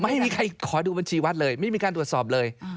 ไม่มีใครขอดูบัญชีวัดเลยไม่มีการตรวจสอบเลย